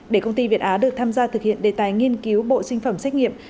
để công ty việt á được tham gia thực hiện đề tài nghiên cứu bộ sinh phẩm xét nghiệm